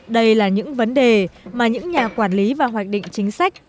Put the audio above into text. đây là những vấn đề mà những nhà quản lý và hoạch định chính sách